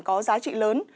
có giá trị lớn